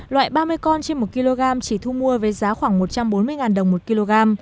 loại ba mươi con trên một kg chỉ thu mua với giá khoảng một trăm bốn mươi đồng một kg